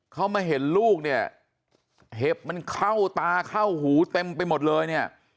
เขามาเห็นลูกเนี่ยเห็บมันเข้าตาเข้าหูเต็มไปหมดเลยเนี่ย